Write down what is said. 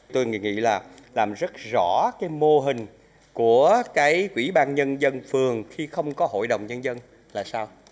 tôi nghĩ là làm rất rõ cái mô hình của cái quỹ ban nhân dân phường khi không có hội đồng nhân dân là sao